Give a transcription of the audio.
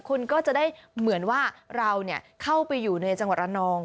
คุณก็จะได้เหมือนว่าเราเข้าไปอยู่ในจังหวัดระนอง